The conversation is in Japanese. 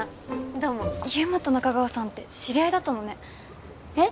どうも祐馬と仲川さんって知り合いだったのねえっ？